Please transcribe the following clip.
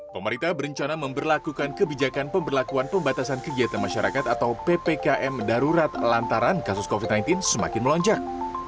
pemerintah berencana memperlakukan kebijakan pemberlakuan pembatasan kegiatan masyarakat atau ppkm darurat lantaran kasus covid sembilan belas semakin melonjak